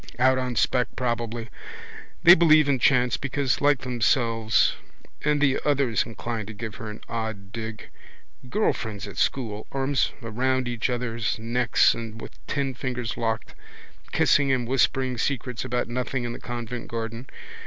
Out on spec probably. They believe in chance because like themselves. And the others inclined to give her an odd dig. Girl friends at school, arms round each other's necks or with ten fingers locked, kissing and whispering secrets about nothing in the convent garden.